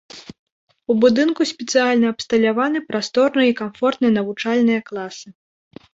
У будынку спецыяльна абсталяваны прасторныя і камфортныя навучальныя класы.